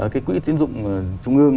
cái quỹ tiến dụng trung ương